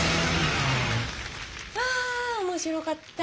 あ面白かった。